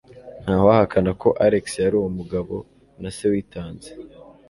Ntawahakana ko Alex yari umugabo na se witanze.